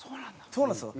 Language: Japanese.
そうなんですよ。